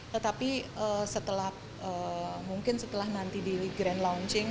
tetapi setelah mungkin setelah nanti di grand launching